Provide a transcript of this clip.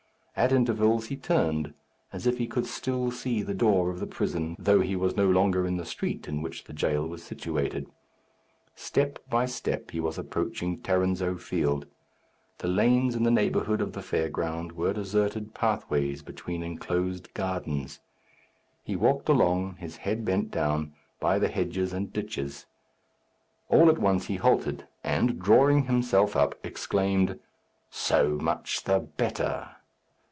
At intervals he turned, as if he could still see the door of the prison, though he was no longer in the street in which the jail was situated. Step by step he was approaching Tarrinzeau Field. The lanes in the neighbourhood of the fair ground were deserted pathways between enclosed gardens. He walked along, his head bent down, by the hedges and ditches. All at once he halted, and drawing himself up, exclaimed, "So much the better!"